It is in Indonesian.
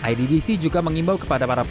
idbc juga mengimbau kepada para pengguna